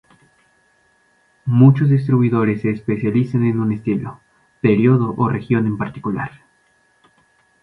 Muchos distribuidores se especializan en un estilo, período o región en particular.